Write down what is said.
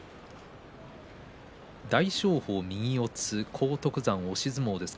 大翔鵬、右四つ荒篤山、押し相撲。